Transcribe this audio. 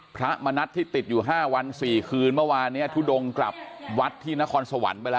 พระมณัฐที่ติดอยู่๕วัน๔คืนเมื่อวานนี้ทุดงกลับวัดที่นครสวรรค์ไปแล้ว